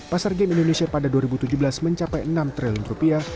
pasar game indonesia pada dua ribu tujuh belas mencapai enam triliun rupiah